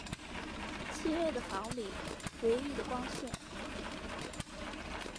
漆黑的房里唯一的光线